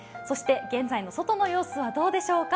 現在の外の様子はどうでしょうか。